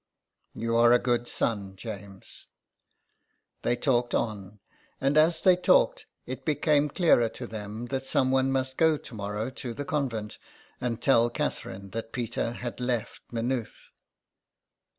'' You are a good son, James." They talked on, and as they talked it became clearer to them that some one must go to morrow to the convent and tell Catherine that Peter had left May nooth.